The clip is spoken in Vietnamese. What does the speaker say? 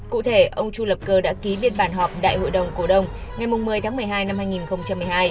cụ thể ông chu lập cơ đã ký biên bản họp đại hội đồng cổ đông ngày một mươi tháng một mươi hai năm hai nghìn một mươi hai